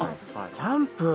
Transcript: キャンプ